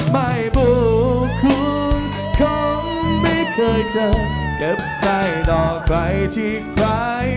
ไม่บุคคุณคงไม่เคยเจอกับใครต่อใครที่ใคร